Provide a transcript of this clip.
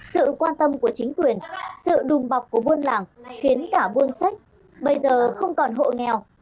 sự quan tâm của chính quyền sự đùm bọc của buôn làng khiến cả buôn sách bây giờ không còn hộ nghèo